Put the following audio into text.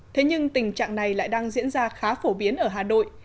thế nhưng tình trạng này lại đang diễn ra khá phổ biến ở hà nội